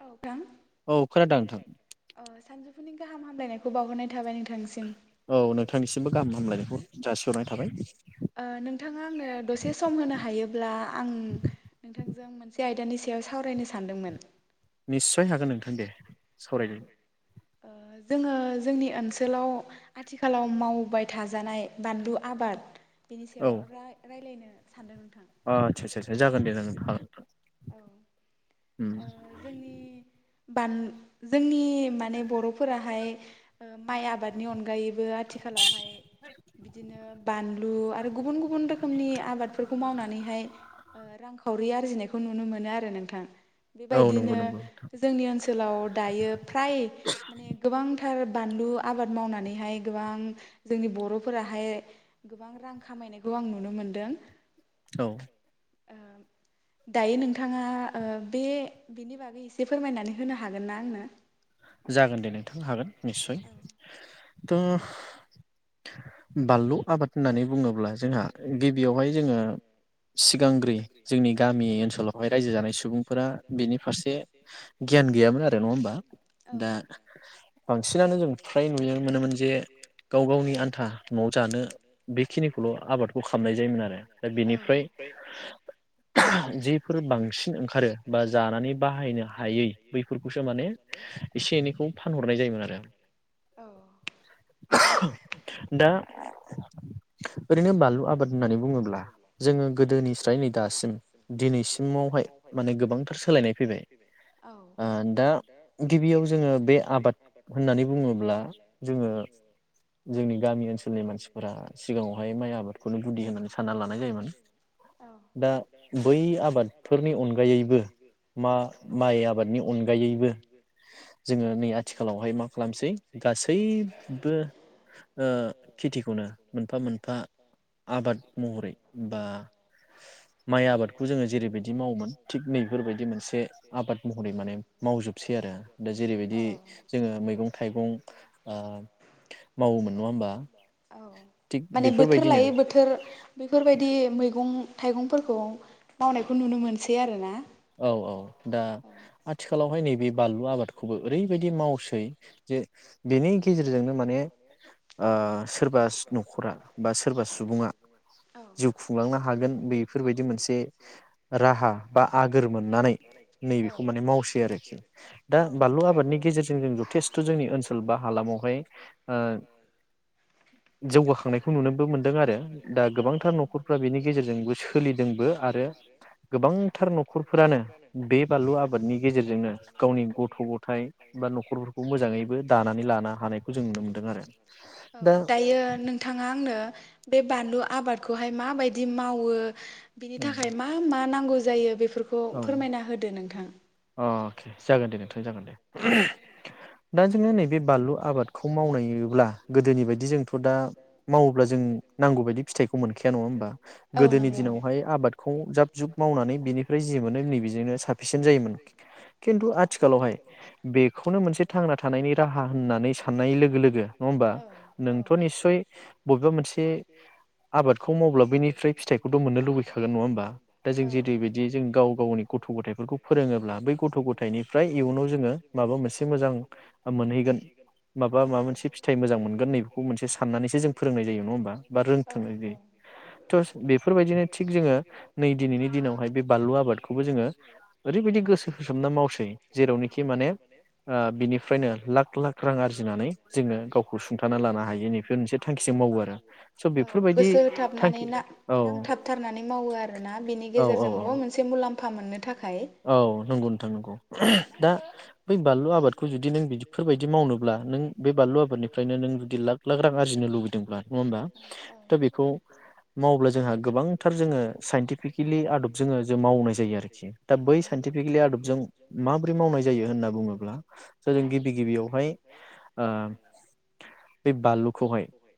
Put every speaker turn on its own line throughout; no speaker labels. औ [unintelligible] अह सानजौ फुनि गाहाम हामलायनायखौ बावहरनाय थाबाय नों थांनिसिम ओ नोंथाङा आंनो दसे सम होनो हायोब्ला आं नोंथांजों मोनसे आयदानि सा याव सावरायनो सान्दोंमोन।
निस्सय हागोन नोंथां दे सावरायदो।
ओ जोङो जोंनि ओनसोलाव आथिखालाव मावबाय थाजानाय बानलु आबाद बेनि सायाव रा रायलायनो सानदों
ओ आतसा आसा सा जागोन दे जागोन नोंथां। उम
बान जोंनि माने बर'फोराहाय ओ माइ आबादनि अनगायै आथिखालावहाय बिदिनो बानलु आरो गुबुन गुबुन रोखोमनि आबादफोरखौ मावनानैहाय ओ रांखावरि आरजिनाय खौ नुनो मोनो आरो नोंथां बेबायदिनो जोंनि ओनसोलाव दायो फ्राय माने गोबां थार बानलु आबाद मावनानैहाय गोबां जोंनि बर'फोराहाय गोबां रां खामायनायखौ आं नुनो मोनदों। ओ दायो नोंथाङा ओ बे बिनि बागै एसे फोरमायनानै होनो हागोन ना आंनो
जागोनदे नोंथां हागोन निस्सय थ' बानलु आबाद होननानै बुङोब्ला जोंहा गिबियावहाय जोङो सिगांग्रै जोंनि गामि ओनसोलावहाय रायजो जानाय सुबुंफोरा बेनि फारसे गियान गैयामोन आरो नंङा होमबा दा बांसिनानो जों फ्राय नुनो मोनोमोन जे गाव गावनि आन्था न'आव जानो बेखिनिखौल' आबादखौ खालामनाय जायोमोन आरो दा बेनिफ्राय जिफोर बांसिन ओंखारो बा जानानै बाहायनो हायै बैफोरखौसो माने एसे एनैखौ फानहरनाय जायोमोन आरो दा
औ
गिबियाव जोङो बे आबाद होननानै बुङोब्ला जोङो जोंनि गामि ओनसोल स्कुलनि मानसिफोरा सिगाङावहाय माइ आबादखौनो गुदि होननानै सानना लानाय जायोमोन दा बै आबादफोरनि अनगायैबो मा माइ आबादनि अनगायैबो जोङो नै आथिखालावहाय मा खालामसै गासैबो ओ खेथिखौनो मोनफा मोनफा आबाद महरै बा माइ आबादखौ जोङो जेरैबायदि मावोमोन थिग नैफोरबायदि मोनसे आबाद महरै माने मावजोबसै दि आरो दा जेरैबायदि जोङो मैगं थाइगं ओ मावोमोन नङा होमबा
औ माने बोथोर लायै बोथोर बेफोरबायदि मैगं थाइगंफोरखौ मावनायखौ नुनो मोनसै आरो ना
औ औ दा आथिखालावहाय नैबे बानलु आबादखौबो ओरैबायदि मावसै जे बेनि गेजेरजोंनो माने ओ सोरबा न'खरा बा सोरबा सुबुङा जिउ खुंलांनो हागोन बेफोरबायदि मोनसे राहा बा आगोर मोननानै नैबेखौ माने मावसै आरोखि दा बानलु आबादनि गेजेरजों जों जथेस्थ' जोंनि ओनसोल बा हालामावहाय जौगाखांनायखौ नुनोबो मोनदों आरो दा गोबांथार न'खरफ्रा बेनि गेजेरजोंबो सोलिदोंबो आरो गोबांथार न' खरफोरानो बे बानलु आबादनि गेजेरजोंनो गावनि
औ दायो नोंथाङा आंनो बे बानलु आबादखौहाय माबायदि मावो? बिनि थाखाय मा मा नां नांगौ जायो बे फोरखौ फोरमायना होदो नोंथां।
जागोन दे नोंथां जागोन दे दा जोङो नैबे बानलु आबादखौ मावनायब्ला गोदोनि बादि जोंथ' दा मावोब्ला जों नांगौ बायदि फिथाइखौ मोनखाया नङा होमबा गोदोनि दिनावहाय आबादखौ जाब जुब मावनानै बिनि जि मोनो नैबेजोंनो साफिसियेन्ट जायोमोन खिन्थु आ आथिखालावहाय बेखौनो मोनसे थांना थानायनि राहा होननानै साननाय लोगो लोगो नङा होमबा नोंथ' निस्सय बबेबा मोनसे आबादखौ मावब्ला बनिफ्राय फिथाइखौथ' मोननो लुबैखागोन नङा होमबा दा जों जेरैबायदि बि जोंनि गाव गावनि गथ' गथथायफोरखौ फोरोङोब्ला बै गथ' गथा फिथाइनिफ्राय इयुनाव जोङो माबा मोनसे मोजां मोनहैगोन माबा माबा मोनसे फिथाइ मोजां मोनगोन नैबेखौ मोनसे साननानैसो जों फोरोंनाय जायो नङा होमबा बा रोंथों इदि थ' बेफोरबायदिनो थिग जोङो नै दिनैनि दिनावहाय बे बलु आबादखौबो जोङो ओरैबायदि गोसो होसोम
औ गोसो होथाबनानै नांथाबथारनानै मावो आरोना बिनि गेजेरजों मोनसे मुलाम्फा मोननो था
औ नंगौ। थां नंगौ दा बै बानलु आबादखौ जुदि नों बेफोरबायदि मावनोब्ला नों बे बानलु आबादनिफ्रायनो नों जुदि लाख लाख रां आरजिनो लुबैदोंब्ला नङा होमबा दा बेखौ माब्ला जोंहा गोबांथार जोङो साइन्टिफिकेलि आदब जोङो जों मावनाय जायो आरोखि। बै साइन्टिफिकलिआ
आदबजों माबोरै मावनाय जायो होनना बुङोब्ला जों गिबि गिबियावहाय ओ बे बानलुखौहाय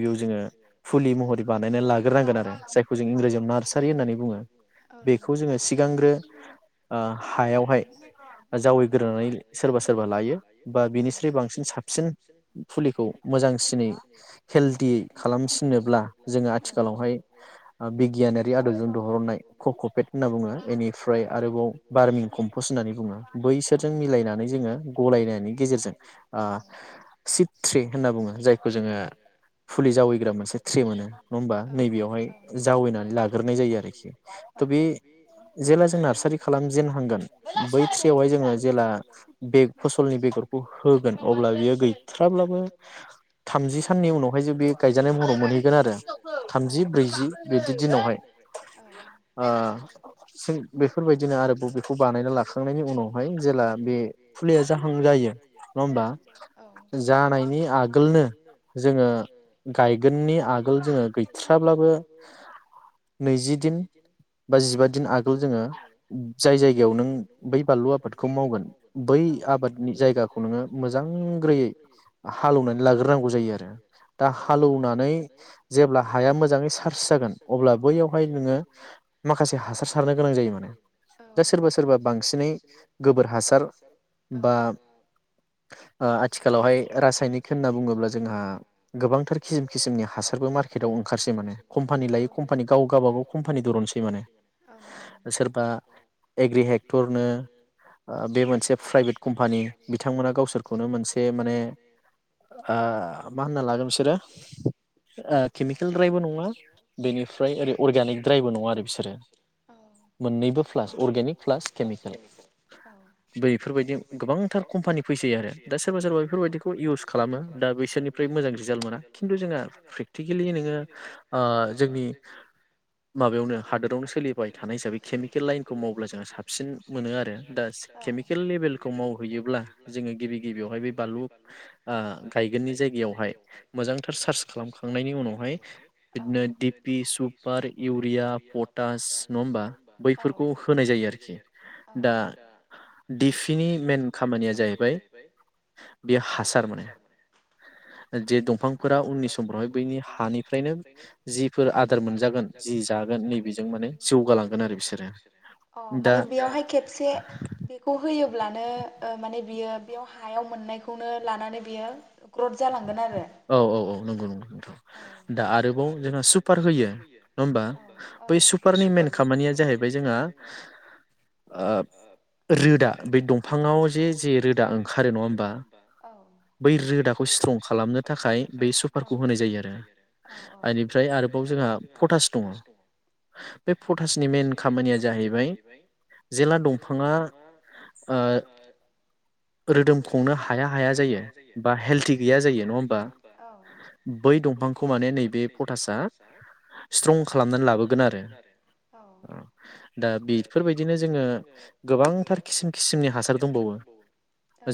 गिबि गिबियाव जोङो फुलि महरै बानायना लाग्रोनांगोन आरो जायखौ जों इंराजियाव नार्सारि होननानै बुङो बेखौ जोङो सिगांग्रो
ओ हायावहाय जावैग्रोनानै सोरबा सोरबा लायो बा बिनिस्रुइ बांसिन साबसिन फुलिखौ मोजांसिनै हेलदियै खालामसिनोब्ला जोङो आथिखालावहाय ओ बिगियानारि आदबजों दिहरनाय ककपेट होनना बुङो बेनि फ्राय आरोबाव बारमिं कम्पस्ट होननानै बुङो बैसोरजों मिलायनानै जोङो गलायनायनि गेजेरजों ओ सिट ट्रि होनना बुङो जायखौ जोङो फुलि जावैग्रा मोनसे ट्रि मोनो नङा होमबा नैबेयावहाय जावैनानै लाग्रोनाय जायो आरोखि त बे जेला जों नारसारि खालाम जेनहांगोन बै थ्रियावहाय जोङो जेला बे फसलनि बेगरखौ होगोन अब्ला बियो गैथ्राब्लाबो थामजि साननि उनावहाय जों बे गायजानाय महराव मोनहैगोन आरो थामजि ब्रैजि बिदि दिनावहाय ओ जों बेफोरबायदि [unintelligible] आरो बेखौ बानायना लाखांनायनि उनावहाय जेला बे फुलिया जाहां जायो नङा होमबा जानायनि आगोलनो जोङो गायगोननि आगोल जोङो गैथाराब्लाबो नैजि दिन बा जिबा दिन दिन आगोल जोङो जाय जायगायाव नों बै बानलु आबादखौ मावगोन बै आबादनि जायगाखौ नोङो मोजां ग्रैयै हालौनानै लाग्रोनांगौ जायो आरो दा हालौनानै जेब्ला हाया मोजाङै सार्स जागोन अब्ला बैयावहाय नोङो माखासे हासार सारनो गोनां जायो माने दा सोरबा सोरबा बांसिनै गोबोर हासार बा ओ आथिखालावहाय रासायनिक होनना बुङोब्ला जोंहा गोबांथार खिसिम खिसिमनि हासारबो मार्केटाव ओंखारसै माने कम्पानि लायै कम्पानि गाव गावबागाव कम्पानि दरनसै माने
औ नंगौ सोरबा।
एग्रिहेक्टरनो ओ बे मोनसे प्राइभेट कम्पानि बिथांमोना गावसोरखौनो मोनसे माने ओ मा होनना लागोन बिसोरो ओ केमिकेल द्रायबो नङा बेनिफ्राय ओरै अर्गेनिक द्रायबो नङा आरो बिसोरो। मोननैबो प्लास। अर्गेनिक प्लास केमिकेल बैफोरबायदि गोबांथार कम्पानि फैसै आरो दा सोरबा सोरबा बेफोरबायदिखौ इउस खालामो दा बैसोरनिफ्राय मोजां रिजाल्ट मोना खिन्थु जोंहा प्रेकटिकेलि नोङो जोंनि माबायावनो हादोराव सोलिबाय थानाय हिसाबै केमिकेल लाइन खौ मावब्ला जोंङो साबसिन मोनो आरो दा केमिकेल लेभेलखौ मावहैयोब्ला जोङो गिबि गिबियावहाय बे बानलु ओ गायगोननि जायगायावहाय मोजांथार सार्च खालामखांनायनि उनावहाय बिदिनो डिपि सुपार इउरिया पट तास नङा होमबा बैफोरखौ हो होनाय जायो आरोखि दा दिफिनि मेन खामानिया जाहैबाय बेयो हासार माने जे दंफांफोरा उननि समफोरावहाय बैनि हानिफ्रायनो जिफोर आदार मोनजागोन जि जागोन नैबे बेजों माने जौगालांगोन आरो बिसोरो।
अ माने बेयावहाय खेबसे बेखौ हो फैयोब्लानो ओ माने बियो बेयाव हायाव मोननायखौनो लानानै बियो।
औ औ औ नंगौ नंगौ नोंथां दा आरोबाव जोंहा सुपार होयो नङा होमबा बै सुपारनि मेन खामानिया जाहैबाय जोंहा। ओब रोदा बेै दंफाङाव जे जे रोदा ओंखारो नङा होमबा बै रोदा। खौ स्ट्रं खालामनो थाखाय बे सुपारखौ होनाय जायो आरो बेनिफ्राय आरोबाव जोंहा पटास दङ बे पटासनि मेन खामानिया ज
खामानिया जाहैबाय जेला दंफाङा ओ रोदोम खुंनो हाया हाया जायो। हेल्थि गैया जायो नङा होमबा औ बै दंफांखौ माने नैबे पटासा स्ट्रं खालामनानै लाबोगोन आरो औ।
दा बेफोरबायदिनो जोङो गोबांथार खिसिम खिसिमनि हासार दंबावो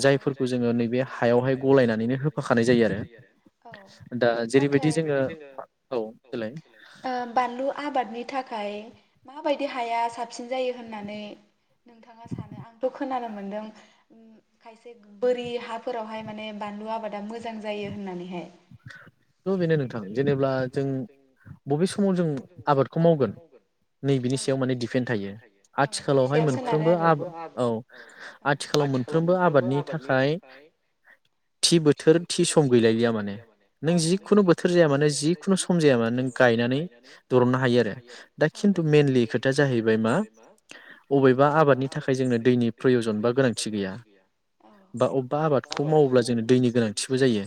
जायफोरखौ जोङो नैबे हायावहाय गलायनानै।
बेदिनो होफाखानाय जाबाय आरो औ जेरैबादि जोङो औ बुंलाय नाथाय ओ बानलु आबादनि। थाखाय माब। माबायदि हाया साबसिन जायो होननानै नोंथाङा सानो आंथ' खोनानो मोनदों खायसे बोरि हाफोरावहाय माने बानलु आबादा मोजां जायो होननानैहाय।
थ' बेनो नोंथां जेनेब्ला जों बबे समाव जों आबादखौ मावगोन नै। बिनि सायाव माने दिपेन्ड थायो आथिखालावहाय मोनफ्रोमबो आब औ आथिखालाव मोनफ्रोमबो आबादनि थाखाय थि बोथोर थि सम गैलायलिया माने नों जिखुनु बोथोर जाया मानो जिखुनु सम जाया मानो नों गायनानै दरननो हायो आरो दा खिन्थु मेन। लि खोथाया जाहैबाय मा अबेबा आबादनि थाखाय जोंनो दैनि प्रयजन बा गोनांथि गैया बा अबेबा आबादखौ मावोब्ला जोंनो दैनि गोनांथिबो जायो।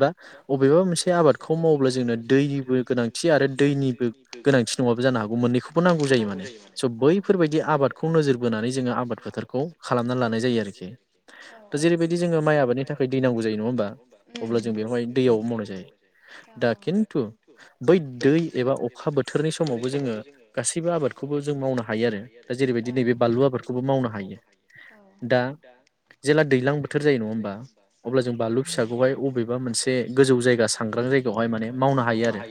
बा बबेबा मोनसे आबादखौ मावोब्ला जोंनो दैनिबो गोनांथि आरो दैनिबो गोनांथि नङाबो जानो हागौ मोननैखौ।
बेखौ नांगौ जायो माने औ बैफोरबायदि आबादखौ नोजोर बोनानै जोङो आबाद फोथारखौ खालामनानै लानाय जायो आरोखि औ औ जेरैबायदि जोङो माइ आबादनि थाखाय दै नांगौ जायो नङा होमबा?
अब्ला जों बेवहाय दैयाव मावनाय जायो दा खिन्थु बै दै एबा अखा बोथोरनि समावबो जोङो गासै‌।
गासैबो आबादखौबो जों मावनो हायो आरो दा बेबायदि नैबे बानलु आबादखौबो मावनो हायो दा जेला दैज्लां बोथोर जायो नङा होमबा अब्ला जों बानलु फिसाखौ
बबेबा मोनसे गोजौ जायगा सांग्रां जायगायावहाय माने मावनो हायो आरो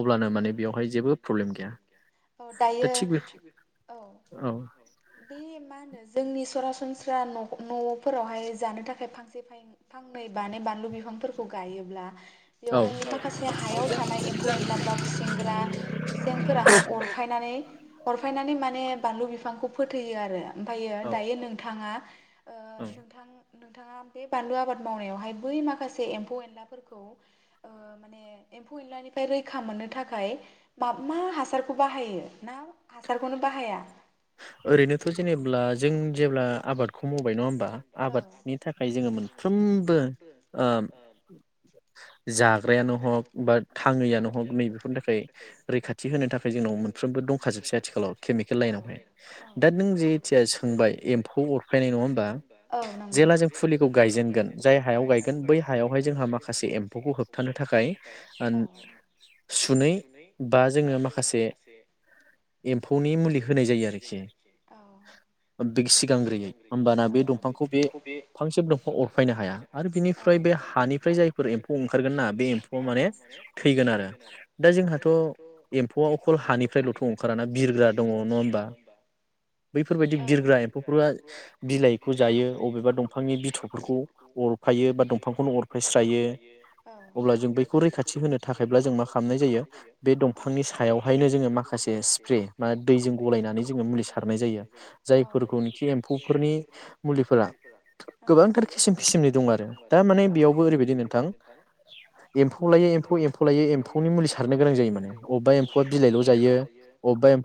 अब्लानो माने बेयावहाय जेबो प्रब्लेम गैया।
औ दायो औ बे मा होनो जोंनि सरासनस्रा न' न'फोरावहाय जानो थाखाय फांसे फांनै बानै बानलु बिफांफोरखौ गायोब्ला बेवहाय माखासे हायाव थानाय एम्फौ एनला बा खुसिंग्रा खुसेेंफोराहाय नानै अरफायनानै माने बानलु बिफांखौ फोथैयो आरो ओमफायो दायो नोंथाङा नोंथाङा बे बानलु आबाद मावनायावहाय बै माखासे एम्फौ एनलाफोरखौ ओ माने एम्फौ एनलानिफ्राय रैखा मोननो थाखाय मा मा हासार बाहायो ना हासारखौनो बाहाया?
ओरैनोथ' जेनेब्ला जों जेब्ला आबादखौ मावबाय नङा होमबा आबादनि थाखाय जोङो मोनफ्रोमबो ओ जाग्रायानो हग बा थाङैयानो हक नैबेफोरनि थाखाय रैखाथि होनो थाख खाय जोंनाव मोनफ्रोमबो दंखाजोबसै आथिखालाव किमेकेल लाइनावहाय। दा नों जेतया सोंबाय एम्फौ अरफायनाय नङा होमबा जेला जों फुलिखौ गायजेनगोन जाय हायाव गायगोन बै हायावहाय जोंहा माखासे एम्फौखौ होबथानो थाखाय ओन सुनै बा जों आनो माखासे एम्फौनि मुलि होनाय जायो आरोखि सिगांग्रोयै होमबाना बे दंफांखौ बे फांसे दंफां अरफायनो हाया आरो बिनिफ्राय बे हानिफ्राय जायफोर एम्फौ ओंखारगोन ना बे एम्फौआ माने थैगोन आरो दा जोंहाथ' एमफौ फवा अखल हानिफ्रायल'थ' ओंखाराना बिरग्रा दङ नङा होनोमबा बैफोरबायदि बिरग्रा एम्फौफोरा बिलाइखौ जायो अबेबा दंफांनि बिथौफोरखौ अरफायो बा दंफांखौनो अरफायस्रायो अब्ला जों बैखौ रैखाथि होनो थाखायब्ला जों मा खालामनाय जायो बे दंफां बिफांनि सायावहायनो जोङो माखासे स्प्रे बा दैजों गलायनानै जोङो मुलि सारनाय जायो जायफोरखौनोखि एम्फौफोरनि मुलिफोरा गोबांथार खिसिम खिसिमनि दं आरो दा माने बेयावबो ओरैबायदि नोंथां एम्फौ लायै एम्फौ एम्फौ लायै एम्फौनि मुलि सारनो गोनां जायो माने अबेबा एम्फौआ बिलाइल' जायोब [unintelligible]